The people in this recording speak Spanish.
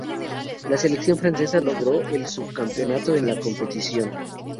La selección francesa logró el subcampeonato en la competición.